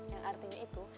yang artinya itu